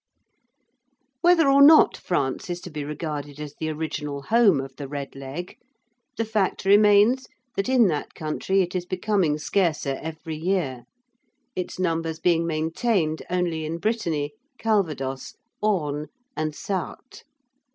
Whether or not France is to be regarded as the original home of the "red leg," the fact remains that in that country it is becoming scarcer every year, its numbers being maintained only in Brittany, Calvados, Orne, and Sarthe.